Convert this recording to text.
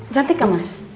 cantik kan mas